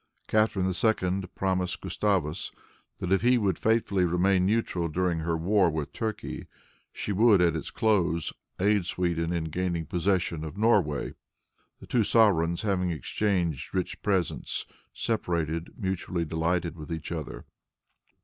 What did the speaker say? Catharine II. promised Gustavus that if he would faithfully remain neutral during her war with Turkey she would, at its close, aid Sweden in gaining possession of Norway. The two sovereigns, having exchanged rich presents, separated, mutually delighted with each other.